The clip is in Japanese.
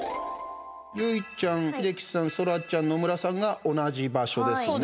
結実ちゃん、英樹さんそらちゃん、野村さんが同じ場所ですね。